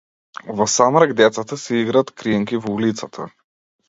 Во самрак децата си играат криенки во улицата.